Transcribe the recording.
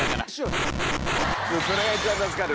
それが一番助かる。